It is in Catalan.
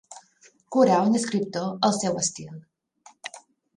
Curar un escriptor el seu estil.